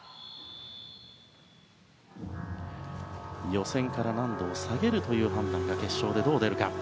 予選から難度を下げるという判断が決勝でどう出るか。